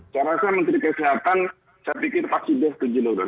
saya rasa menteri kesehatan saya pikir pasti bisa kegilaan